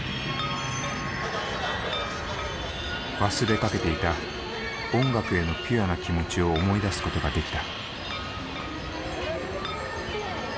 忘れかけていた音楽へのピュアな気持ちを思い出すことができた。